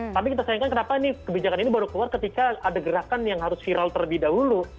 tapi kita sayangkan kenapa kebijakan ini baru keluar ketika ada gerakan yang harus viral terlebih dahulu